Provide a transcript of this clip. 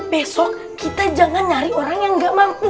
besok kita jangan nyari orang yang gak mampu